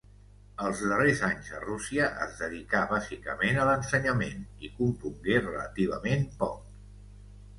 Els darrers anys a Rússia es dedicà bàsicament a l'ensenyament i compongué relativament poc.